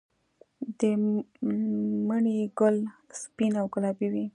د مڼې ګل سپین او ګلابي وي؟